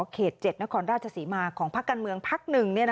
เขต๗นครราชสีมาของภาคกันเมืองภาคหนึ่ง